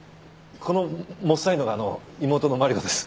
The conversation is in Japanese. このもっさいのが妹の万理子です。